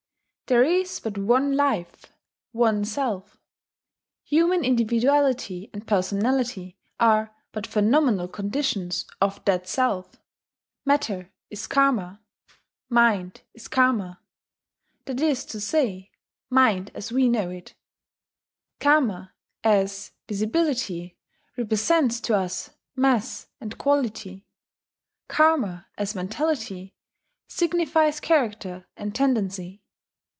There is but one Life, one Self: human individuality and personality are but phenomenal conditions of that Self, Matter is Karma; Mind is Karma that is to say, mind as we know it: Karma, as visibility, represents to us mass and quality; Karma, as mentality, signifies character and tendency.